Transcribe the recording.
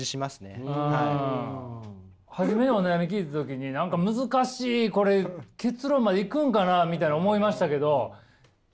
初めお悩み聞いた時に何か難しいこれ結論までいくんかなみたいな思いましたけどいきましたね。